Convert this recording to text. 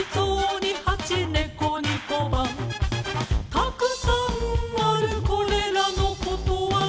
たくさんあるこれらのことわざ